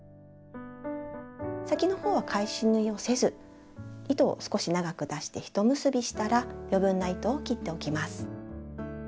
先のほうは返し縫いをせず糸を少し長く出して一結びしたら余分な糸を切っておきます。